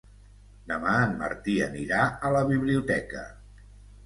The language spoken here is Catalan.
Demà en Martí anirà a la biblioteca.